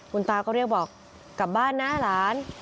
คุณตาก็เรียกบอกกลับบ้านนะหลาน